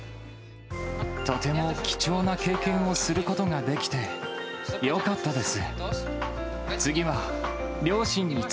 とても貴重な経験をすることができて、よかったです。